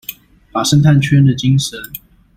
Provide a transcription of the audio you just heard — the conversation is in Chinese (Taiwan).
把生態圈的精神